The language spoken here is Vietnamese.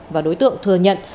và đối tượng thừa nhận